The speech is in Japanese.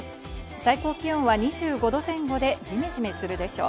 最高気温は２５度前後でジメジメするでしょう。